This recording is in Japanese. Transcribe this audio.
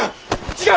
違う！